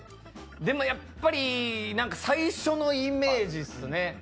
でもやっぱり何か最初のイメージですね。